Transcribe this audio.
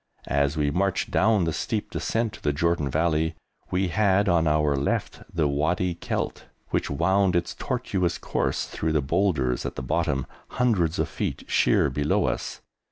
As we marched down the steep descent to the Jordan Valley we had on our left the Wadi Kelt, which wound its tortuous course through the boulders at the bottom, hundreds of feet sheer below us.